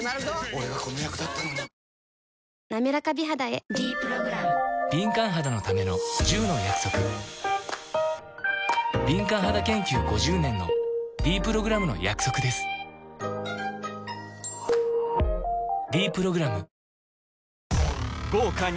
俺がこの役だったのになめらか美肌へ「ｄプログラム」敏感肌研究５０年のｄプログラムの約束です「ｄプログラム」